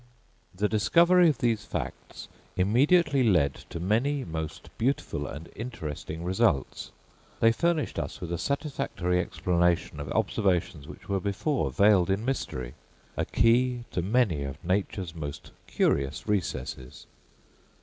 The discovery of these facts immediately led to many most beautiful and interesting results; they furnished us with a satisfactory explanation of observations which were before veiled in mystery, a key to many of Nature's most curious recesses.